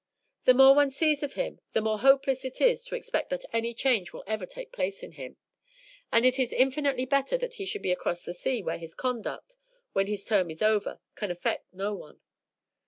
The more one sees of him the more hopeless it is to expect that any change will ever take place in him; and it is infinitely better that he should be across the sea where his conduct, when his term is over, can affect no one.